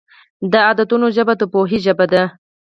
د عددونو ژبه د پوهې ژبه ده.